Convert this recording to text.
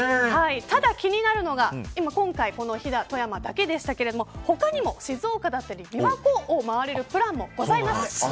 ただ、気になるのが今回は飛騨・富山だけでしたけど他にも静岡だったり琵琶湖を回れるプランもございます。